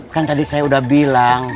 kan tadi saya udah bilang